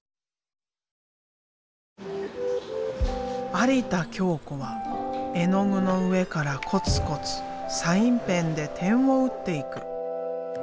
有田京子は絵の具の上からこつこつサインペンで点を打っていく。